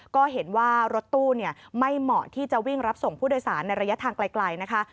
ก็เห็นว่ารถตู้ไม่เหมาะที่จะวิ่งรับส่งผู้โดยสารในระยะทางไกลนะคะ